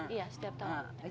iya setiap tahun